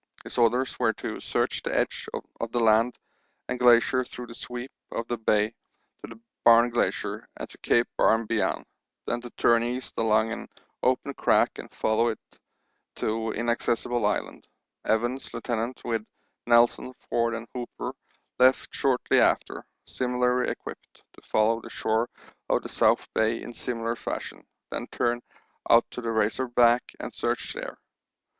His orders were to search the edge of the land and glacier through the sweep of the Bay to the Barne Glacier and to Cape Barne beyond, then to turn east along an open crack and follow it to Inaccessible Island. Evans (Lieut.), with Nelson, Forde, and Hooper, left shortly after, similarly equipped, to follow the shore of the South Bay in similar fashion, then turn out to the Razor Back and search there.